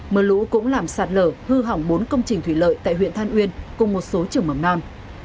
mưa lũ cũng làm sạt lở hư hỏng bốn công trình thủy lợi tại huyện than uyên cùng một số trường mầm non